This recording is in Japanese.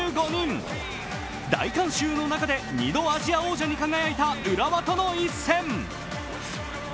大観衆の中で２度、アジア王者に輝いた浦和との一戦。